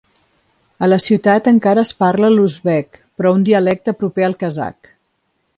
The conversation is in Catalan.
A la ciutat encara es parla l'uzbek però un dialecte proper al kazakh.